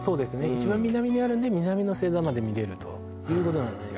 一番南にあるんで南の星座まで見れるということなんですよ